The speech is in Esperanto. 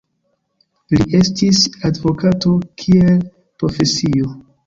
Li estis advokato kiel profesio.